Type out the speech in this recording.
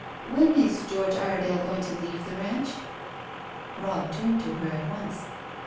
"When is George Iredale going to leave the ranch?" Robb turned to her at once.